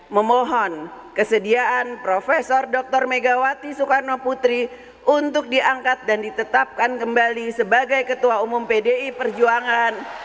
memohon kesediaan prof dr megawati soekarno putri untuk diangkat dan ditetapkan kembali sebagai ketua umum pdi perjuangan